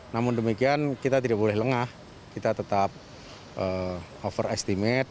namun demikian kita tidak boleh lengah kita tetap overestimate